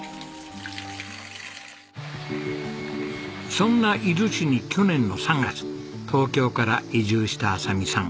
そんな伊豆市に去年の３月東京から移住した亜沙美さん。